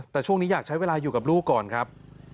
แต่ช่วงนี้อยากใช้เวลาอยู่กับลูกก่อนครับ